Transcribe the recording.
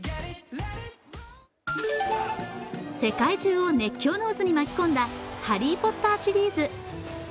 世界中を熱狂の渦に巻き込んだ「ハリー・ポッター」シリーズ。